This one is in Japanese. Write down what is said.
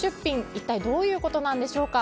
一体どういうことなんでしょうか。